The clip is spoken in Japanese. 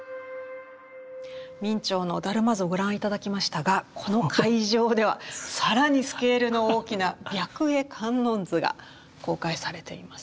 明兆の「達磨図」をご覧頂きましたがこの会場では更にスケールの大きな「白衣観音図」が公開されています。